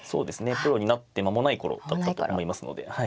プロになって間もない頃だったと思いますのではい。